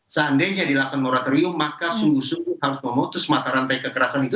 seandainya dilakukan moratorium maka sungguh sungguh harus memutus mata rantai kekerasan itu